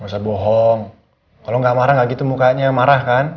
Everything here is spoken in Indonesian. gak usah bohong kalau gak marah gak gitu mukanya yang marah kan